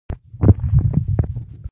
موږ نن لوبیا پخه کړې ده.